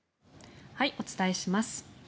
お伝えします。